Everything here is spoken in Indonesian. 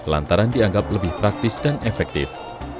lantaran dianggap lebih praktis dan efektif